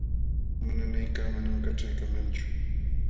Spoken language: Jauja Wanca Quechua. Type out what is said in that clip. Uma nanaykaq manam kaćhaykamanchu.